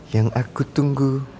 yang aku tunggu